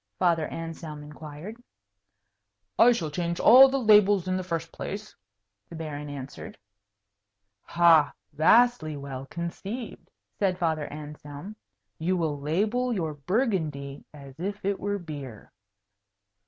Father Anselm inquired. "I shall change all the labels, in the first place," the Baron answered. "Ha! vastly well conceived," said Father Anselm. "You will label your Burgundy as if it were beer."